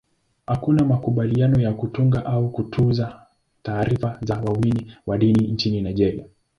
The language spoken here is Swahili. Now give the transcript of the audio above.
Hakuna makubaliano ya kutunga au kutunza taarifa za waumini wa dini nchini Nigeria.